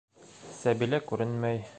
Сәбилә күренмәй...